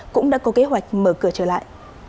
cũng đã có kế hoạch mở cửa trở lại